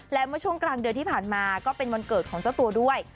และเมื่อช่วงกลางเดือนที่ผ่านมาก็เป็นวันเกิดของเจ้าตัวด้วย